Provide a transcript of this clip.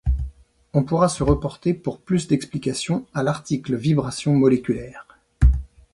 On pourra se reporter pour plus d'explication à l'article vibration moléculaire.